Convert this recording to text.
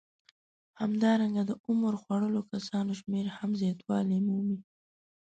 همدارنګه د عمر خوړلو کسانو شمېر هم زیاتوالی مومي